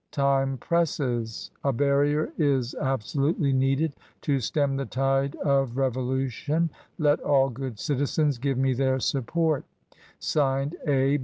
Time presses; a barrier is ab solutely needed to stem the tide of revolution; let all good citizens give me their support "(Signed) A.